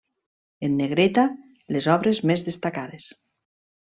En negreta, les obres més destacades.